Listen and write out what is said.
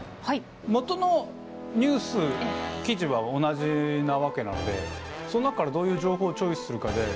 もとのニュース記事は同じなわけなんでその中からどういう情報をチョイスするかで。